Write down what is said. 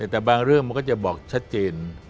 แต่บางเรื่องมันก็จะบอกชัดเจน